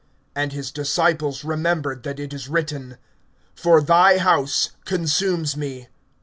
(17)And his disciples remembered that it is written: for thy house consumes me.